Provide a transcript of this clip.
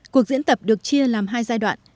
cuộc diễn tập được chia làm hai giai đoạn